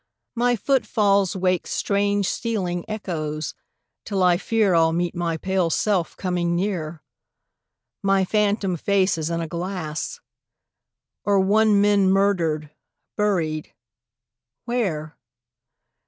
My footfalls wake Strange stealing echoes, till I fear I'll meet my pale self coming near; My phantom face as in a glass; Or one men murdered, buried where?